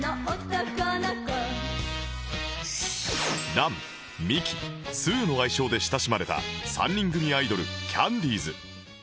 ランミキスーの愛称で親しまれた３人組アイドルキャンディーズ